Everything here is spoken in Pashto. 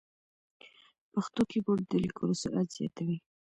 پښتو کیبورډ د لیکلو سرعت زیاتوي.